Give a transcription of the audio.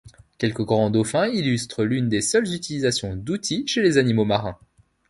Quelques grands dauphins illustrent l'une des seules utilisations d'outil chez les animaux marins.